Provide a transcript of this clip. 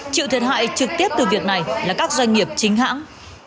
chịu thiệt hại trực tiếp từ việc này là các doanh nghiệp chính hãng